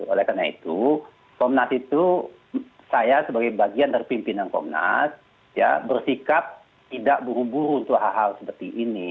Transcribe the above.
oleh karena itu komnas itu saya sebagai bagian dari pimpinan komnas ya bersikap tidak buru buru untuk hal hal seperti ini